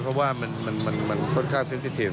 เพราะว่ามันค่อนข้างสินสิทธิฟ